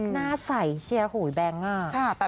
หน้าใสเชียร์หุ่ยแบ๊งค่ะ